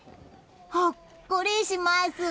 ほっこりします！